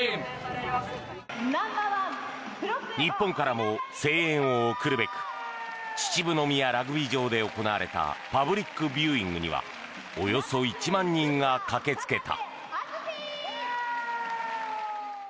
日本からも声援を送るべく秩父宮ラグビー場で行われたパブリックビューイングにはおよそ１万人が駆けつけた。